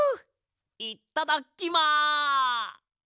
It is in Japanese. いっただっきま。